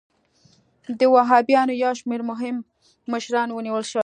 د وهابیانو یو شمېر مهم مشران ونیول شول.